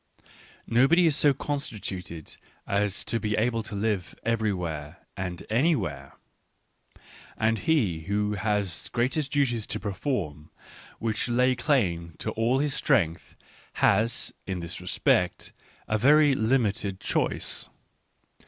Nobody is so constituted as to be able to live everywhere and anywhere ; and he who has great duties to perform, which lay claim to all his strength, has, in this respect, a very limited choice.